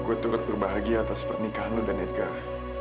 gue turut berbahagia atas pernikahan lo dan edgar